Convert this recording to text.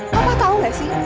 papa tau nggak sih